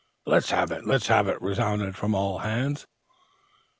"Let's have it!" "Let's have it!" resounded from all hands.